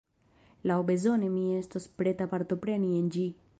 Laŭbezone mi estos preta partopreni en ĝi.